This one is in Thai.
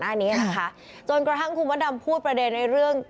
หน้านี้นะคะจนกระทั่งคุณมดดำพูดประเด็นในเรื่อง